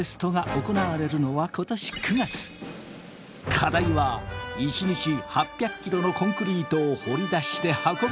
課題は１日８００キロのコンクリートを掘り出して運ぶこと。